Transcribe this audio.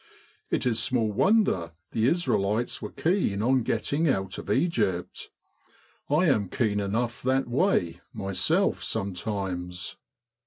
It is small wonder the Israelites were keen on getting out of Egypt. I am keen enough that way, myself, sometimes.